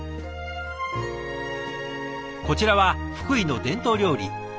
こちらは福井の伝統料理へしこ。